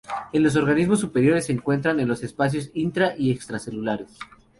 En los organismos superiores se encuentran en los espacios intra y extracelulares.